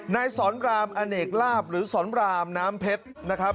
นายสอนรามอเนกลาบหรือสอนรามน้ำเพชรนะครับ